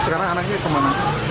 sekarang anaknya kemana